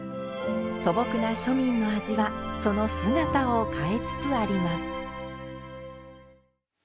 素朴な庶民の味はその姿を変えつつあります。